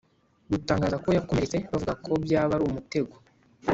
gutangaza ko yakomeretse bavuga ko byaba ari umutego.